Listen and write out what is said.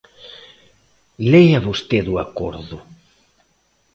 Lea vostede o acordo.